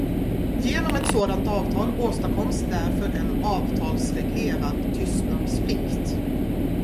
Genom ett sådant avtal åstadkoms därför en avtalsreglerad tystnadsplikt.